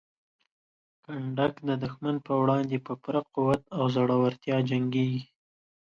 کنډک د دښمن په وړاندې په پوره قوت او زړورتیا جنګیږي.